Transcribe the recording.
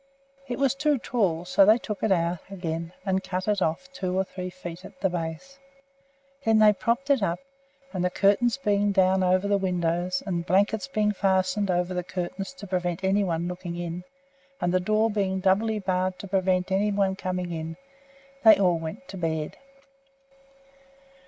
It was too tall, so they took it out again and cut it off two or three feet at the base. Then they propped it up, and the curtains being down over the windows, and blankets being fastened over the curtains to prevent any one looking in, and the door being doubly barred to prevent any one coming in, they all went to bed.